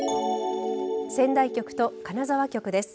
仙台局と金沢局です。